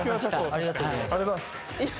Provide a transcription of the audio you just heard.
ありがとうございます。